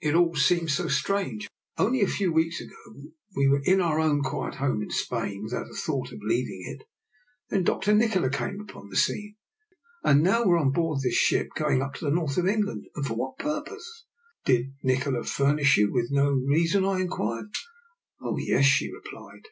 It all seems so strange. Only a few weeks ago we were in our own quiet home in Spain, without a thought of leaving it. Then Dr. Nikola came upon the scene, and now we are on board this ship going up to the North of England: and for what purpose? "" Did Nikola furnish you with no rea son? " I inquired. " Oh, yes," she replied.